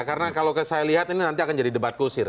karena kalau saya lihat ini nanti akan jadi debat kusir